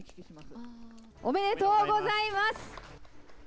おめでとうございます！